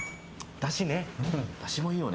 ダシもいいよね。